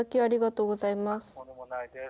とんでもないです。